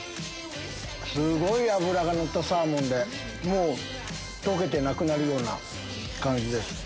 すごい脂がのったサーモンでもう溶けてなくなるような感じです。